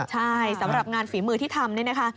ใช่สำหรับงานฝีมือที่ทำนี่นะคะ